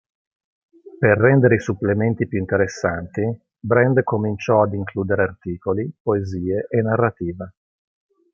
Per rendere i supplementi più interessanti, Brand cominciò ad includere articoli, poesie e narrativa.